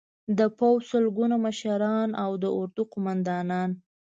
د پوځ سلګونه مشران او د اردو قومندانان